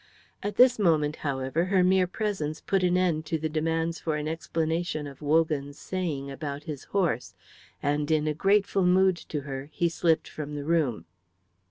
At this moment, however, her mere presence put an end to the demands for an explanation of Wogan's saying about his horse, and in a grateful mood to her he slipped from the room.